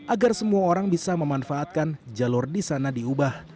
agar semua orang bisa memanfaatkan jalur di sana diubah